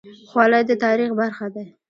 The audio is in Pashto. خولۍ د تاریخ برخه ده.